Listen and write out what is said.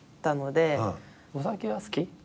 お酒は好き？